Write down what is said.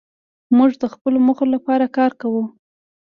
موږ د خپلو موخو لپاره کار کوو.